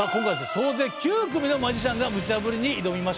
総勢９組のマジシャンがムチャぶりに挑みましたが。